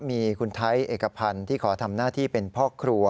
มีคุณไทยเอกพันธ์ที่ขอทำหน้าที่เป็นพ่อครัว